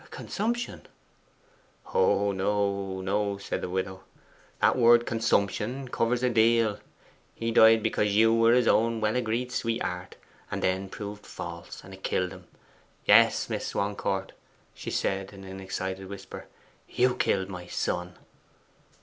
'Consumption.' 'Oh no, no!' said the widow. 'That word "consumption" covers a good deal. He died because you were his own well agreed sweetheart, and then proved false and it killed him. Yes, Miss Swancourt,' she said in an excited whisper, 'you killed my son!